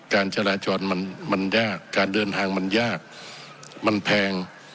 การจราจรมันยากการเดินทางมันยากมันแพง